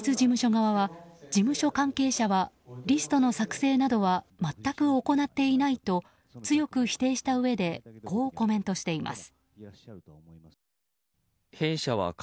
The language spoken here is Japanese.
側は事務所関係者はリストの作成などは全く行っていないと強く否定したうえでこうコメントしています。